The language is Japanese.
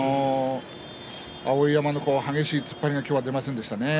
碧山の激しい突っ張りが今日は出ませんでしたね。